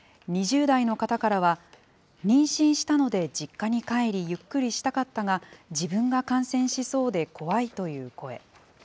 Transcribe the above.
２０代の方からは、妊娠したので実家に帰りゆっくりしたかったが、自分が感染しそうで怖いという声。